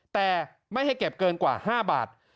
แต่ไม่ให้เก็บเกินกว่า๕บาท